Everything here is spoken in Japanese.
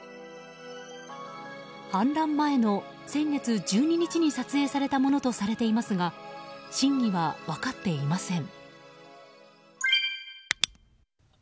反乱前の先月１２日に撮影されたものとされていますが真偽は分かっていません。